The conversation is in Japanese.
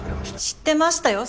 知ってましたよ